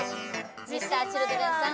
Ｍｒ．Ｃｈｉｌｄｒｅｎさん